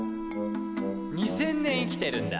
２０００年生きてるんだ。